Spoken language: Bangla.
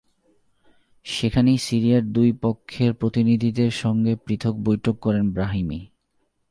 সেখানেই সিরিয়ার দুই পক্ষের প্রতিনিধিদের সঙ্গে পৃথক বৈঠক করেন ব্রাহিমি।